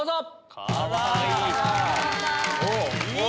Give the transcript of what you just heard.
かわいい！